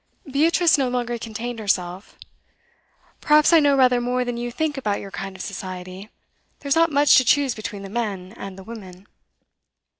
Beatrice no longer contained herself. 'Perhaps I know rather more than you think about your kind of society. There's not much to choose between the men and the women.